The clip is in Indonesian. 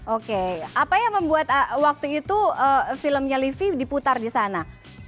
oke apa yang membuat waktu itu filmnya livi diputar di sana